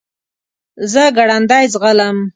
زه ګړندی ځغلم .